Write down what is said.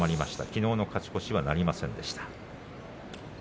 きのうの勝ち越しはなりませんでした。